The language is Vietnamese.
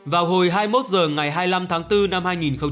vào hồi hai mươi một h ngày hai mươi năm tháng bốn năm hai nghìn hai mươi